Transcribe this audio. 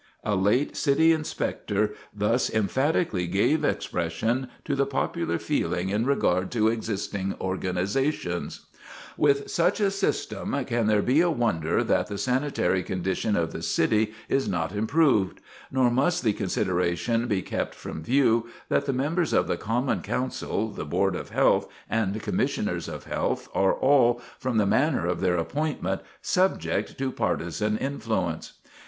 A late City Inspector thus emphatically gave expression to the popular feeling in regard to existing organizations: "With such a system, can there be a wonder that the sanitary condition of the city is not improved? Nor must the consideration be kept from view, that the members of the common council, the board of health, and commissioners of health are all, from the manner of their appointment, subject to partisan influence.